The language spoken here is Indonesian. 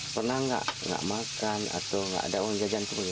pernah gak makan atau gak ada uang jajan ke mana mana